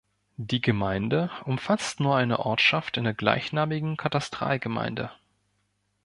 Die Gemeinde umfasst nur eine Ortschaft in der gleichnamige Katastralgemeinde.